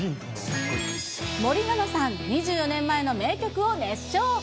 森七菜さん、２４年前の名曲を熱唱。